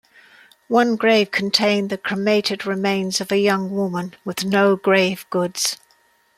One grave contained the cremated remains of a young woman with no grave goods.